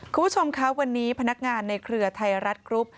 คุณผู้ชมคะวันนี้พนักงานในเครือไทยรัฐกรุ๊ป